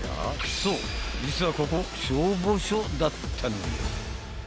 そう実はここ消防署だったのよ